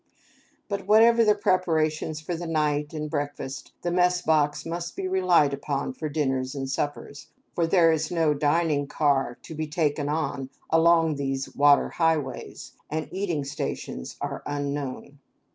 But whatever the preparations for the night and breakfast, the mess box must be relied upon for dinners and suppers, for there is no dining car to be taken on along these water highways, and eating stations are unknown.